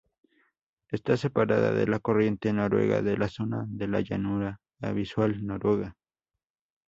Está separada de la corriente noruega en la zona de la llanura abisal noruega.